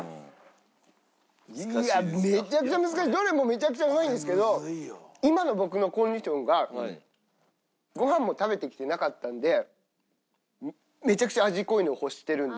どれもめちゃくちゃうまいんですけど今の僕のコンディションがごはんも食べてきてなかったんでめちゃくちゃ味濃いのを欲してるんで。